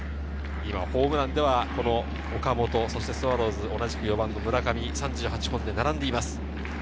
ホームランでは岡本、スワローズ同じく４番の村上、３８本で並んでいます。